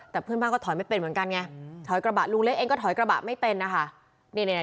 แต่เพื่อนบ้านก็ถอยไม่เป็นเหมือนกันไงถอยกระบะลุงเล็กเองก็ถอยกระบะไม่เป็นนะคะ